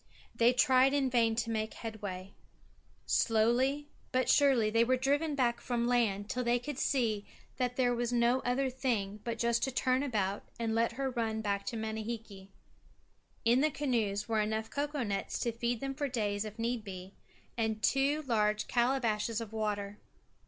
They tried in vain to make headway. Slowly, but surely they were driven back from land, till they could see that there was no other thing but just to turn about and let her run back to Manihiki. In the canoes were enough cocoa nuts to feed them for days if need be, and two large calabashes of water.